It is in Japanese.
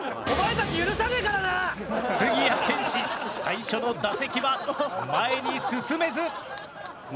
杉谷拳士最初の打席は前に進めず。